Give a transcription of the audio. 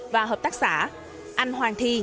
và hợp tác xã anh hoàng thi